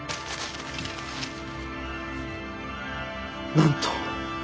なんと。